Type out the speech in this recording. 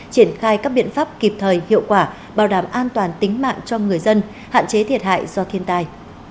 triển khai các biện pháp kịp thời hiệu quả bảo đảm an toàn tính mạng cho người dân hạn chế thiệt hại do thiên tai